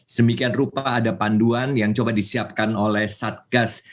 sedemikian rupa ada panduan yang coba disiapkan oleh satgas